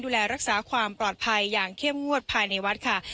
ดูแลรักษาความปลอดภัยอย่างเข้มงวดภายในวัดค่ะ